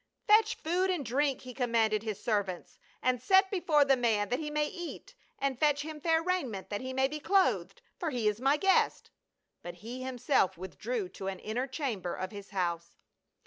30 PA UL. " Fetch food and drink," he commanded his ser vants, " and set before the man that he may eat ; and fetch him fair raiment that he may be clothed — for he is my guest." But he himself withdrew to an inner chamber of his house.